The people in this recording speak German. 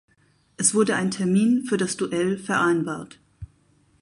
Es wurde ein Termin für das Duell vereinbart.